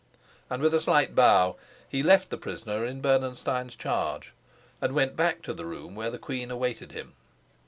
And with a slight bow he left the prisoner in Bernenstein's charge, and went back to the room where the queen awaited him.